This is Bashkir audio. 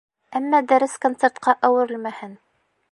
Әммә дәрес концертҡа әүерелмәһен.